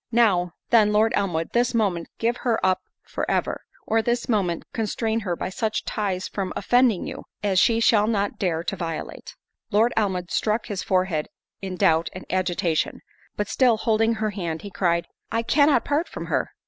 Now, then, Lord Elmwood, this moment give her up for ever, or this moment constrain her by such ties from offending you, as she shall not dare to violate." Lord Elmwood struck his forehead in doubt and agitation; but, still holding her hand, he cried, "I cannot part from her."